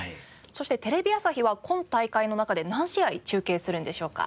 そしてテレビ朝日は今大会の中で何試合中継するんでしょうか？